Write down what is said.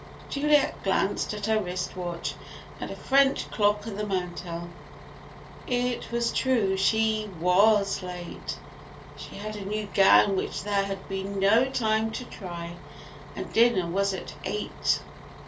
Juliet glanced at her wrist watch and a French clock on the mantel. It was true, she was late! She had a new gown which there had been no time to try, and dinner was at eight.